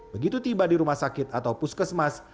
begitu tiba di rumah sakit atau puskesmas